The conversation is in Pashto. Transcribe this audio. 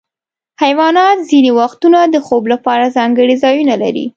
حیوانات ځینې وختونه د خوب لپاره ځانګړي ځایونه لري.